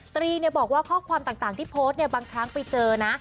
ตรีบอกว่าข้อความต่างที่โพสต์บางครั้งไปเจอนะ